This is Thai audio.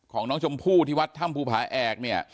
ของน้องชมพู่ที่วัดถ้ำภูผาแอกเนี่ย